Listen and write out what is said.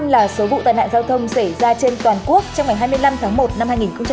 hai mươi năm là số vụ tàn hạn giao thông xảy ra trên toàn quốc trong ngày hai mươi năm tháng một năm hai nghìn một mươi sáu